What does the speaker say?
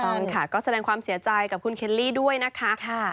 ต้องค่ะก็แสดงความเสียใจกับคุณเคลลี่ด้วยนะคะ